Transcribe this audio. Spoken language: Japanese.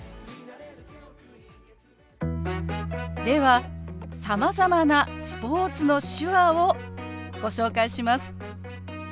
ではさまざまなスポーツの手話をご紹介します。